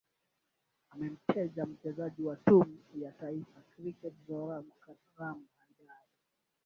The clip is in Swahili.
amemtaja mchezaji wa tumu ya taifa cricket zorah karam haidal